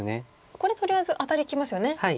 これとりあえずアタリきますよね。